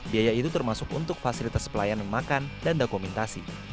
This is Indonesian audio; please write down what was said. biaya itu termasuk untuk fasilitas pelayanan makan dan dokumentasi